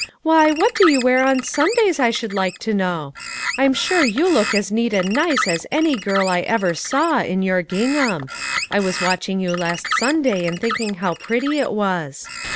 " Why, what do you wear on Sundays, I should like to know ? I'm sure you look as neat and nice as any girl I ever saw, in your gingham. I was watching you last Sunday and thinking how pretty it was."